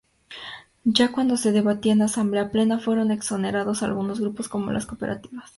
Ya cuando se debatía en asamblea plena, fueron exonerados algunos grupos como las cooperativas.